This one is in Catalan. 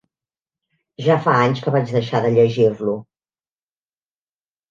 Ja fa anys que vaig deixar de llegir-lo.